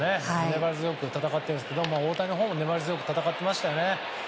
粘り強く戦ってますが大谷のほうも粘り強く戦っていましたね。